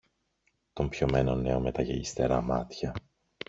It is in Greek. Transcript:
τον πιωμένο νέο με τα γυαλιστερά μάτια